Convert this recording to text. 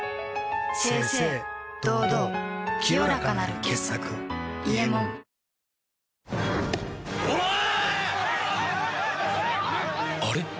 清々堂々清らかなる傑作「伊右衛門」はい。